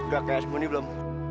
gak kayak asmuny belum